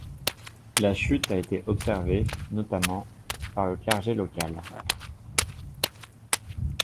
La chute a été observée notamment par le clergé local.